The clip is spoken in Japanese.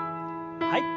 はい。